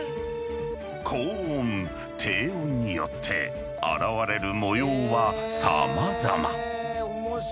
高音低音によって現れる模様はさまざま。